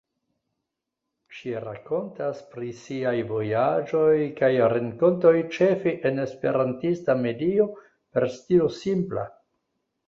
Ŝi rakontas pri siaj vojaĝoj kaj renkontoj ĉefe en esperantista medio per stilo simpla.